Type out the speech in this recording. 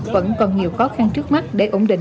vẫn còn nhiều khó khăn trước mắt để ổn định